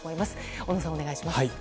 小野さん、お願いします。